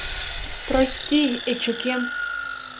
Прости, Эчукем!